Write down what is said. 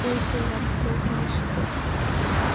ঐ চোর, আব্দুল রহমানের সাথে।